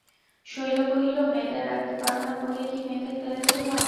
শৈল কহিল, মেয়েদের রাখতে পার না বলেই কি মেয়েদের ফেলে দেবে মা!